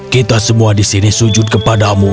kita semua disini sujud kepadamu